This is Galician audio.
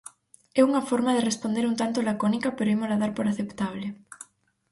É unha forma de responder un tanto lacónica pero ímola dar por aceptable.